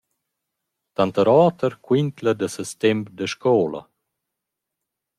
Tanter oter quint’la da seis temp da scoula.